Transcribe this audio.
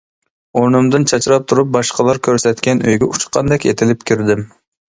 ئورنۇمدىن چاچراپ تۇرۇپ باشقىلار كۆرسەتكەن ئۆيگە ئۇچقاندەك ئېتىلىپ كىردىم.